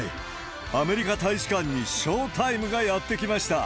アメリカ大使館にショウタイムがやって来ました。